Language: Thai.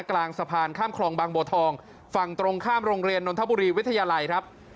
กลางสะพานข้ามคลองบางบัวทองฝั่งตรงข้ามโรงเรียนนนทบุรีวิทยาลัยครับ